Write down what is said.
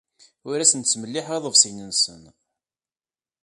Ur asen-ttmelliḥeɣ iḍebsiyen-nsen.